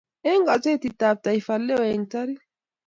eng gazetit ab taifa leo eng tarik